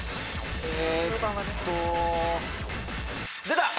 出た！